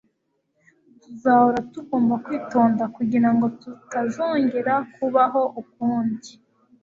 Tuzahora tugomba kwitonda kugirango tutazongera kubaho ukundi.